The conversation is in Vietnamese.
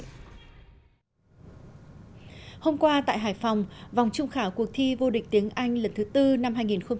hôm qua tại hải phòng vòng chung khảo cuộc thi vô địch tiếng anh lần thứ tư năm hai nghìn một mươi bảy